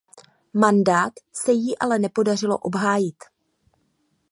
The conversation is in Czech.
Mandát se jí ale nepodařilo obhájit.